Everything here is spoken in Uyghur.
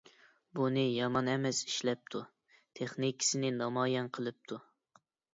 بۇنى يامان ئەمەس ئىشلەپتۇ، تېخنىكىسىنى نامايان قىلىپتۇ.